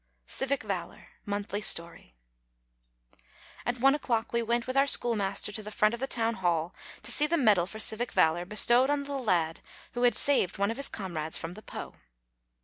CIVIC VALOR (Monthly Story.) At one o'clock we went with our schoolmaster to the front of the town hall, to see the medal for civic valor bestowed on the lad who had saved one of his comrades from the Po.